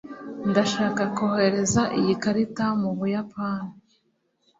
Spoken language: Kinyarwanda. ndashaka kohereza iyi karita mu buyapani